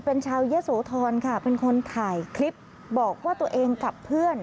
เป็นชาวยะโสธรค่ะเป็นคนถ่ายคลิปบอกว่าตัวเองกับเพื่อน